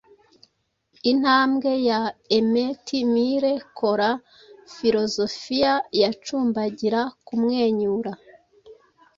Intambwe ya Emeti Mile Kora Filozofiya Yacumbagira kumwenyura.